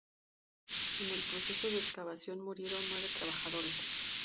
En el proceso de excavación, murieron nueve trabajadores.